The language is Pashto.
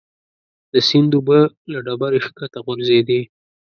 د سیند اوبه له ډبرې ښکته غورځېدې.